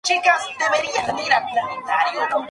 Se graduó del Instituto Estatal de Arte Teatral.